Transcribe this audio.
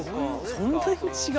そんなに違う？